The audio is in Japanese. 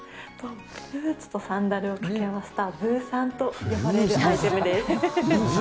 ブーツとサンダルをかけ合わせたブーサンと呼ばれるアイテム